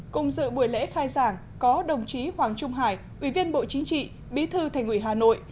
cùng dự buổi lễ khai giảng có đồng chí hoàng trung hải ủy viên bộ chính trị bí thư thành ủy hà nội